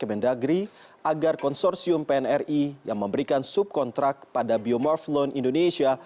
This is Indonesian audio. kepada pejabat kementerian negeri agar konsorsium pnri yang memberikan subkontrak pada biomorf lone indonesia